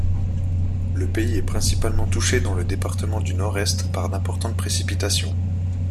Le pays est principalement touché dans le département du Nord-Est par d'importantes précipitations.